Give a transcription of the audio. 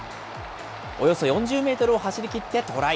およそ４０メートルを走りきってトライ。